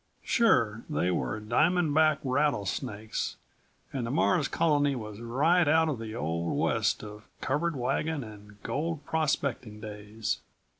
Sure, they were Diamond Back rattlesnakes and the Mars Colony was right out of the Old West of covered wagon and gold prospecting days.